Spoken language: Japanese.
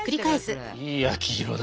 いい焼き色だ。